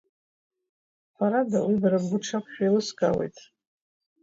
Ҳәарада, уи бара бгәы дшақәшәо еилыскаауеит.